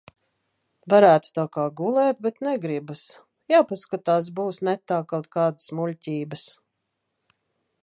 Varētu tā kā gulēt, bet negribas. Jāpaskatās būs netā kaut kādas muļķības.